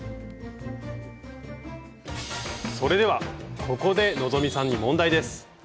それではここで希さんに問題です。